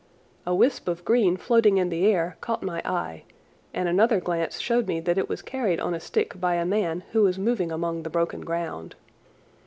A wisp of green floating in the air caught my eye, and another glance showed me that it was carried on a stick by a man who was moving among the broken ground.